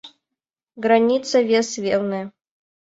Граница вес велне